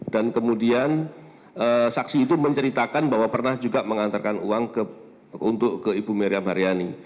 dan kemudian saksi itu menceritakan bahwa pernah juga mengantarkan uang untuk ke ibu miriam haryani